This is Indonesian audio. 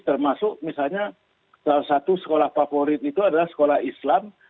termasuk misalnya salah satu sekolah favorit itu adalah sekolah islam